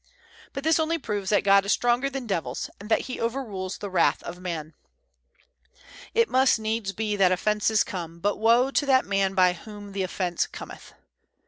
But this only proves that God is stronger than devils, and that he overrules the wrath of man. "It must needs be that offences come; but woe to that man by whom the offence cometh."